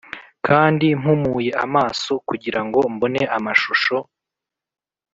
kandi mpumuye amaso kugirango mbone amashusho